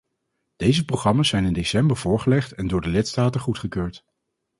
Deze programma's zijn in december voorgelegd en door de lidstaten goedgekeurd.